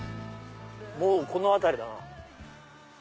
もうこの辺りだな。